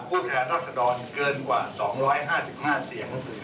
แทนรัศดรเกินกว่า๒๕๕เสียง